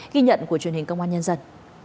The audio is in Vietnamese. ghi nhận của truyền hình công an nhân dân